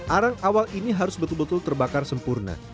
arang awal ini harus betul betul terbakar sempurna